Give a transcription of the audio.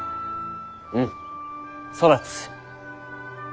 うん育つ。